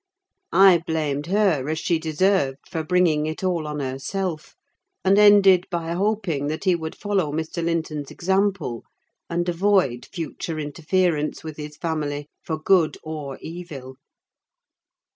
I blamed her, as she deserved, for bringing it all on herself; and ended by hoping that he would follow Mr. Linton's example and avoid future interference with his family, for good or evil.